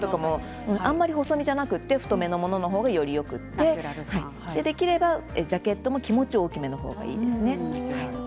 あまり細身じゃなくて太めのものの方がよりよくてできればジャケットも、気持ち大きめの方がいいですね。